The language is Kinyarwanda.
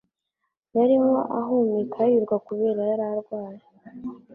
Yarimo ahumeka yiruka kubera yara rwaye.